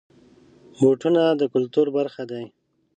بوټونه د کلتور برخه دي.